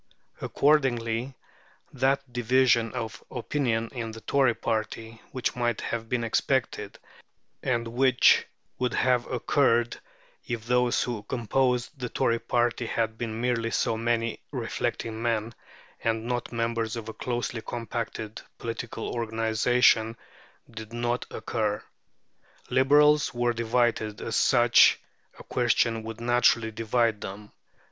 Accordingly, that division of opinion in the Tory party which might have been expected, and which would have occurred if those who composed the Tory party had been merely so many reflecting men, and not members of a closely compacted political organization, did not occur. Liberals were divided, as such a question would naturally divide them.